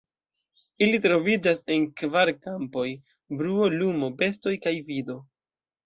Ili troviĝas en kvar kampoj: bruo, lumo, bestoj kaj vido.